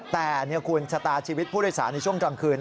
แต่คุณชะตาชีวิตผู้โดยสารในช่วงกลางคืน